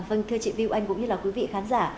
vâng thưa chị viu anh cũng như là quý vị khán giả